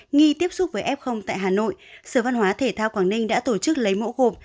nghi tiếp xúc với f tại hà nội sở văn hóa thể thao quảng ninh đã tổ chức lấy mẫu gộp